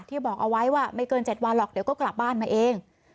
บอกเอาไว้ว่าไม่เกิน๗วันหรอกเดี๋ยวก็กลับบ้านมาเอง